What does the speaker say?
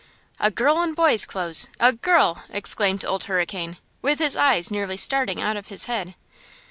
"A girl in boy's clothes! A girl!" exclaimed Old Hurricane, with his eyes nearly starting out of his head.